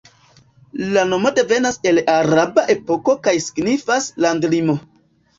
La nomo devenas el araba epoko kaj signifas "landlimo".